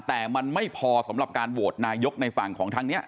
แต่มันไม่พอสำหรับการโหวตนายกในฝั่งของทางนี้